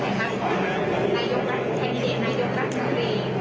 ผู้ที่จะเป็นบุหรณ์ส่วนที่๒๒เดช